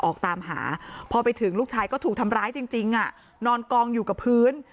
ออกตามหาพอไปถึงลูกชายก็ถูกทำร้ายจริงนอนกองอยู่กับพื้น